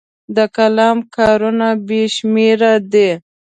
د قلم کارونه بې شمېره دي.